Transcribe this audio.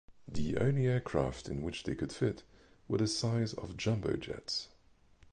The only aircraft in which they could fit were the size of jumbo jets.